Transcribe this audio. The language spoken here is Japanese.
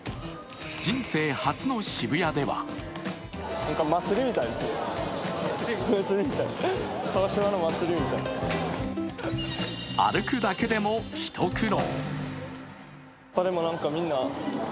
人生初の渋谷では歩くだけでも一苦労。